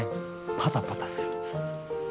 パタパタするんです。